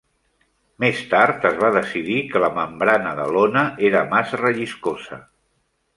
Més tard es va decidir que la membrana de lona era massa relliscosa.